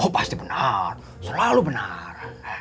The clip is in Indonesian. pasti benar selalu benar